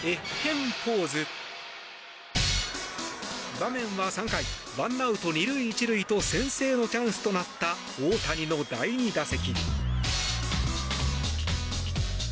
場面は３回１アウト２塁１塁と先制のチャンスとなった大谷の第２打席。